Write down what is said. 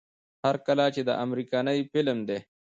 هر کله چې دا امريکنے فلم دے